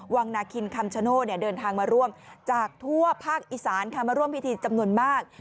วังนาคินคำชโนธเดินทางมาร่วมจากทั่วภาคอีสานค่ะมาร่วมพิธีจำนวนมาก